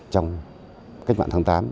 trong cách mạng tháng tám